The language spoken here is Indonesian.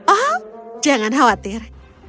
oh jangan khawatir